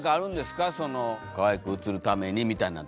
かわいく写るためにみたいな。